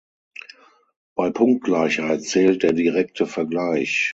Bei Punktgleichheit zählt der direkte Vergleich.